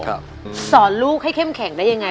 สอนลูกให้เข้มแข็งได้ยังไง